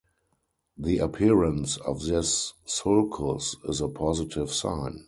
The appearance of this sulcus is a positive sign.